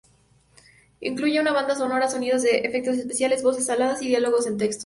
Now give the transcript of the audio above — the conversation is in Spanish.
Incluye una banda sonora, sonidos de efectos especiales, voces habladas y diálogos en texto.